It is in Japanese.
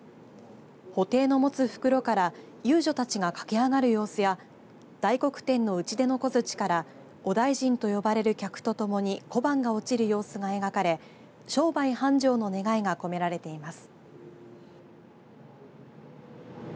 布袋の持つ袋から遊女たちが駆け上がる様子や大黒天の打ち出の小づちからお大尽と呼ばれる客とともに小判が落ちる様子が描かれ商売繁盛の願いが込められています。